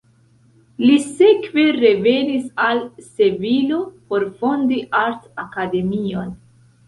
Li sekve revenis al Sevilo por fondi art-akademion.